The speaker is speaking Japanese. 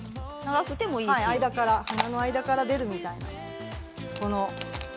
花の間から出るみたいな。